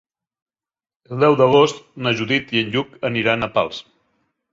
El deu d'agost na Judit i en Lluc aniran a Pals.